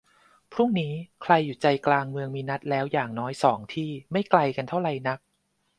พรุ่งนี้ ใครอยู่ใจกลางเมืองมีนัดแล้วอย่างน้อยสองที่ ไม่ไกลกันเท่าไรนัก